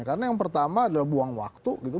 karena yang pertama adalah buang waktu gitu